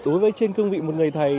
đối với trên cương vị một người thầy